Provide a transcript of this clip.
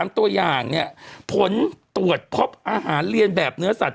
ตัวอย่างเนี่ยผลตรวจพบอาหารเรียนแบบเนื้อสัตว